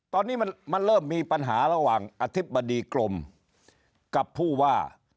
ตอนนี้มันเริ่มมีปัญหาระหว่างอธิบดีกรมกับผู้ว่า